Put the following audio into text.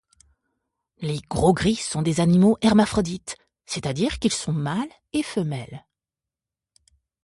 Les gros-gris sont des animaux hermaphrodites c'est-à-dire qu'ils sont mâle et femelle.